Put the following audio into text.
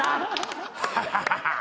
ハハハハッ！